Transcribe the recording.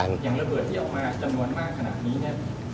อย่างระเบิดที่ออกมาจำนวนมากขนาดนี้เนี่ย